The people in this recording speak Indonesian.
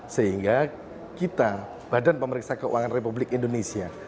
sehingga kita badan pemeriksa keuangan republik indonesia